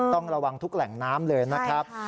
ต้องระวังทุกแหล่งน้ำเลยนะครับ